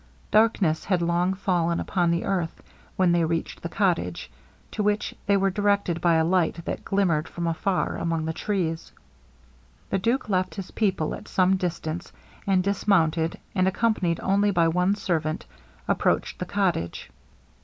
Darkness had long fallen upon the earth when they reached the cottage, to which they were directed by a light that glimmered from afar among the trees. The duke left his people at some distance; and dismounted, and accompanied only by one servant, approached the cottage.